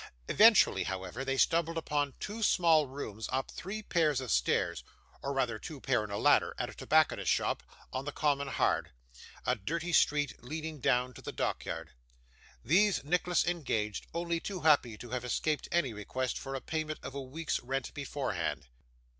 Eventually, however, they stumbled upon two small rooms up three pair of stairs, or rather two pair and a ladder, at a tobacconist's shop, on the Common Hard: a dirty street leading down to the dockyard. These Nicholas engaged, only too happy to have escaped any request for payment of a week's rent beforehand.